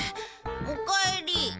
おかえり。